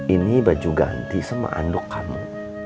ini baju ganti sama aduk kamu